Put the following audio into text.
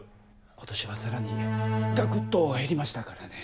今年はさらにがくっと減りましたからね。